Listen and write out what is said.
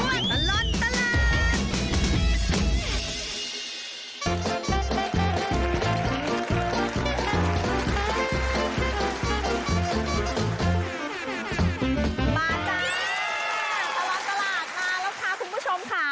มาจ้าตะล้อนตลาดมาแล้วค่ะคุณผู้ชมค่ะ